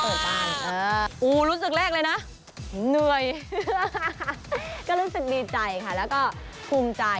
หอหรือสิแรกเลยนะเหนื่อยก็รู้สึกดีใจค่ะธูปใจ